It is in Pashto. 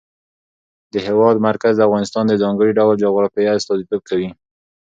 د هېواد مرکز د افغانستان د ځانګړي ډول جغرافیه استازیتوب کوي.